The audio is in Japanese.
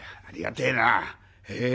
ありがてえな。